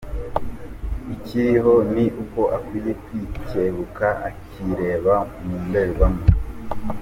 Ikiriho ni uko akwiye kwicyebuka akireba mu ndorerwamo.